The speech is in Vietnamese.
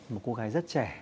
một cô gái rất trẻ